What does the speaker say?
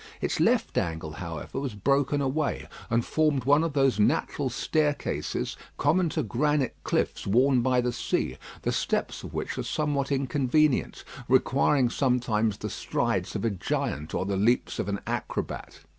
Its left angle, however, was broken away, and formed one of those natural staircases common to granite cliffs worn by the sea, the steps of which are somewhat inconvenient, requiring sometimes the strides of a giant or the leaps of an acrobat.